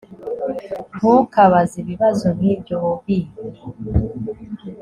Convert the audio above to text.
ntukabaze ibibazo nkibyo!? bobi